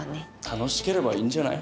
楽しければいいんじゃない？